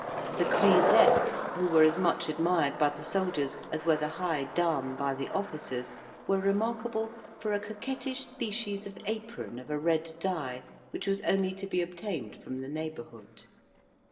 The grisettes, who were as much admired by the soldiers as were the high dames by the officers, were remarkable for a coquettish species of apron of a red dye, which was only to be obtained from the neighbourhood.